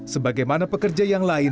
sebagaimana pekerja yang lain